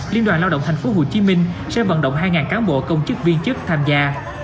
liên đoàn lao động tp hcm sẽ vận động hai cán bộ công chức viên chức tham gia